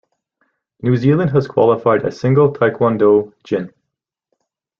New Zealand has qualified a single taekwondo jin.